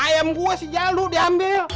ayam gue si jaluk diambil